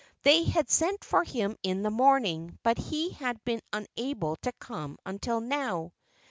They had sent for him in the morning, but he had been unable to come until now.